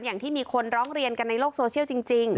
อย่างที่มีคนร้องเรียนกันในโลกโซเชียลจริง